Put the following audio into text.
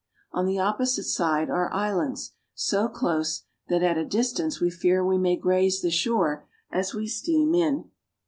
On the op posite side are islands so close that at a distance we fear we may graze the shore as we steam in.